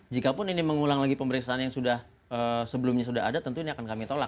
jikapun ini mengulang lagi pemeriksaan yang sebelumnya sudah ada tentu ini akan kami tolak